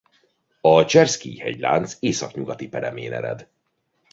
A Cserszkij-hegylánc északnyugati peremén ered.